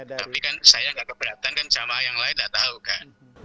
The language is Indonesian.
tapi kan saya nggak keberatan kan jamaah yang lain nggak tahu kan